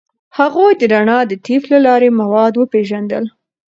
هغوی د رڼا د طیف له لارې مواد وپیژندل.